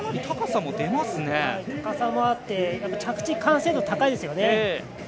高さもあって着地完成度高いですよね。